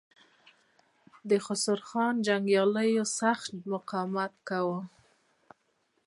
د خسرو خان جنګياليو سخت مقاومت وکړ.